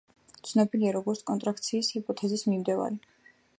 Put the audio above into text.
ცნობილია როგორც კონტრაქციის ჰიპოთეზის მიმდევარი.